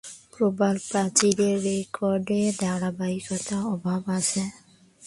প্রবাল প্রাচীরের রেকর্ডে ধারাবাহিকতার অভাব আছে।